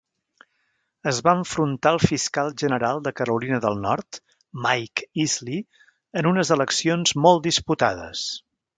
Es va enfrontar al fiscal general de Carolina del Nord, Mike Easley, en unes eleccions molt disputades.